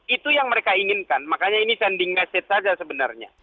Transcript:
itu yang mereka inginkan makanya ini sending message saja sebenarnya